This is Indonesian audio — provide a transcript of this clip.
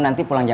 nanti kita buka